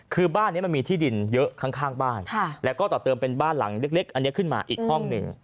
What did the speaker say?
คือบ้านนี้มันมีที่ดินเยอะข้างบ้านแล้วก็ต่อเติมเป็นบ้านหลังเล็กอันนี้ขึ้นมาอีกห้องหนึ่ง